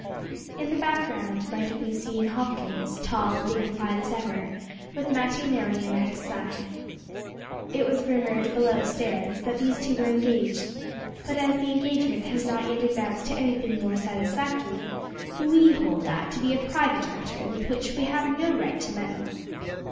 In the background might have been seen Hopkins tall and dignified as ever, with Matty Merryon at his side. It was rumoured "below stairs" that these two were engaged, but as the engagement has not yet advanced to anything more satisfactory, we hold that to be a private matter with which we have no right to meddle.